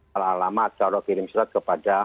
salah alamat jarot kirim surat kepada